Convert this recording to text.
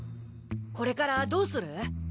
これからどうする？